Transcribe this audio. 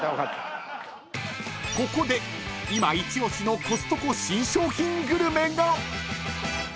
［ここで今一押しのコストコ新商品グルメが］